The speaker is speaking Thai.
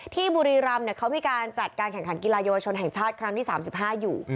บุรีรำเขามีการจัดการแข่งขันกีฬาเยาวชนแห่งชาติครั้งที่๓๕อยู่